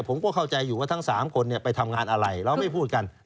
ผมก็เข้าใจอยู่ว่าทั้ง๓คนไปทำงานอะไรเราไม่พูดกัน